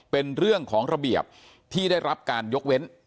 เป็นเรื่องของระเบียบที่ได้รับการยกเว้น